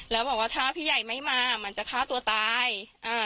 แล้วบอกว่าถ้าพี่ใหญ่ไม่มามันจะฆ่าตัวตาย